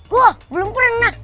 wow belum pernah